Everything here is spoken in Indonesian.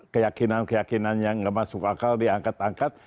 keyakinan keyakinan yang nggak masuk akal diangkat